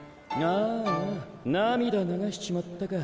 ・ああ涙流しちまったか俺の前で・